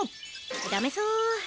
ダメそー。